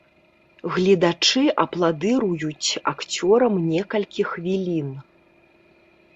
Гледачы апладыруюць акцёрам некалькі хвілін.